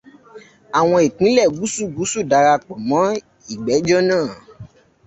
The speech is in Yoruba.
Àwọn ìpínlẹ̀ Gúúsù-Gúúsù darapọ̀ mọ́ ìgbẹ́jọ́ náà.